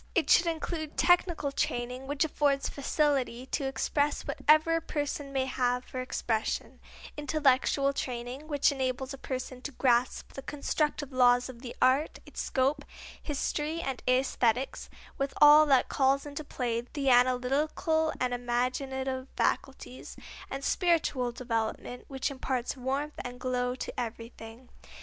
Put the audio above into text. It should include technical training which affords facility to express whatever a person may have for expression; intellectual training which enables a person to grasp the constructive laws of the art, its scope, history and æsthetics, with all that calls into play the analytic and imaginative faculties; and spiritual development which imparts warmth and glow to everything.